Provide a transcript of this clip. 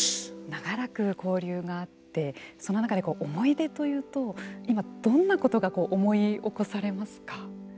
長らく交流があってその中で思い出というと今、どんなことが思い起こされますか。